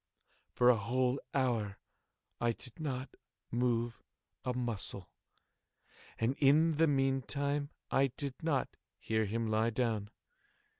For a whole hour I did not move a muscle, and in the meantime I did not hear him lie down.